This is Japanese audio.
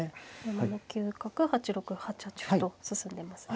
７九角８六歩８八歩と進んでますね。